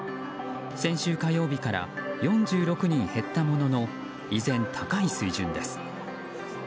先週火曜日から４６人減ったものの依然高い水準です。